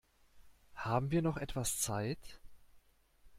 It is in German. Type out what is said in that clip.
Haben wir noch etwas Zeit?